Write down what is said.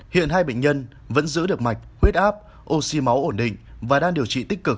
hiện hai bệnh nhân vẫn giữ được mạch huyết áp oxy máu ổn định và đang điều trị tích cực